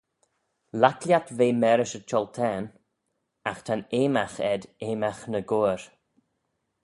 Laik lhiat ve marish y chioltane, agh ta'n eamagh ayd eamagh ny goair